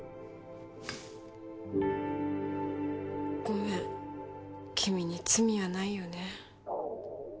ごめん君に罪はないよね